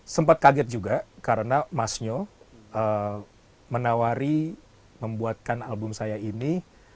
sempat kaget juga karena mas nyo menawari membuatkan album saya ini